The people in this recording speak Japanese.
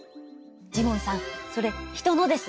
ジモンさんそれ人のです。